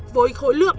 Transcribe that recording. với khối lượng